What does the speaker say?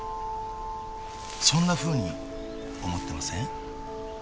そんなふうに思ってません？